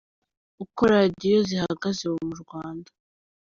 Uko radiyo zihagaze ubu mu Rwanda.